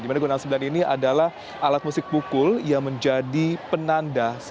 dimana gondang sembilan ini adalah alat musik pukul yang menjadi penanda